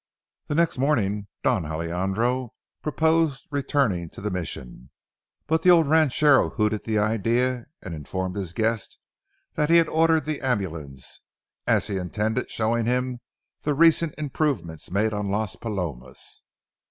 The next morning Don Alejandro proposed returning to the Mission. But the old ranchero hooted the idea, and informed his guest that he had ordered the ambulance, as he intended showing him the recent improvements made on Las Palomas.